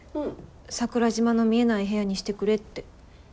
桜島の見えない部屋にしてくれって。